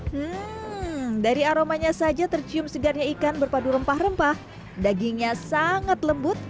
hai dari aromanya saja tercium segarnya ikan berpadu rempah rempah dagingnya sangat lembut